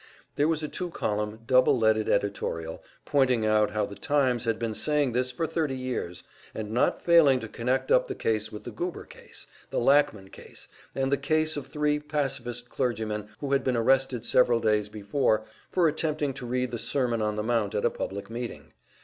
Also there was a two column, double leaded editorial, pointing out how the "Times" had been saying this for thirty years, and not failing to connect up the case with the Goober case, and the Lackman case, and the case of three pacifist clergymen who had been arrested several days before for attempting to read the Sermon on the Mount at a public meeting.